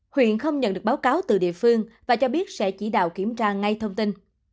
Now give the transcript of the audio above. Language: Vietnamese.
huyện không nhận được báo cáo từ địa phương và cho biết sẽ chỉ đạo kiểm tra ngay thông tin